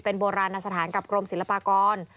เป็นโบราณสถานกับกรมศิลปากร